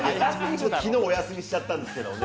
昨日お休みしちゃったんですけどね。